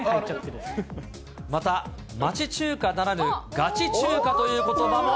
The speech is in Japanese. また、町中華ならぬガチ中華ということばも。